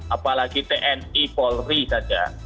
apalagi tni polri saja